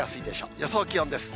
予想気温です。